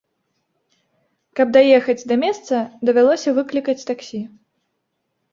Каб даехаць да месца, давялося выклікаць таксі.